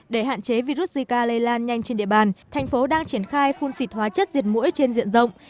để hạn chế virus zika lây lan nhanh trên địa bàn thành phố đang triển khai phun xịt hóa chất diệt mũi trên diện rộng